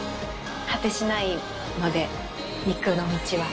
果てしないので肉の道は。